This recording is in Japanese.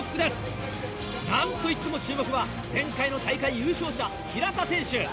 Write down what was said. なんといっても注目は前回の大会優勝者平田選手。